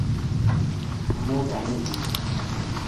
أيها الراقد أهديك السلام